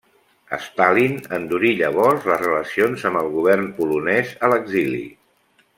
Stalin endurí llavors les relacions amb el Govern polonès a l'exili.